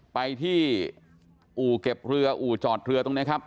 ไปที่อู่เก็บเรืออู่จอดเรือตรงนี้ครับ